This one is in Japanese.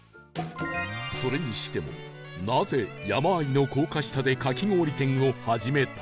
それにしてもなぜ山あいの高架下でかき氷店を始めたのか？